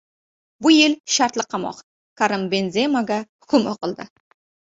Bir yil shartli qamoq — Karim Benzemaga hukm o‘qildi